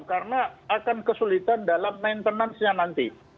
karena akan kesulitan dalam maintenance nya nanti